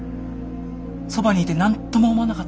そばにいて何とも思わなかった？